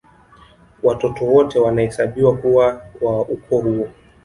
Watoto wote wanahesabiwa kuwa wa ukoo huo